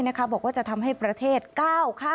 ภักษาพลังประชารัฐค่ะ